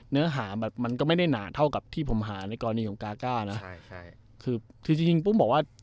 เนื้อหาแบบมันก็ไม่ได้หนาเท่ากับที่ผมหาในกรณีของกาก้านะใช่ใช่คือจริงจริงปุ้มบอกว่า